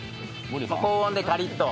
高温でカリッと。